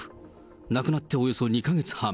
亡くなっておよそ２か月半。